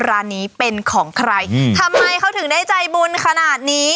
ร้านนี้เป็นของใครทำไมเขาถึงได้ใจบุญขนาดนี้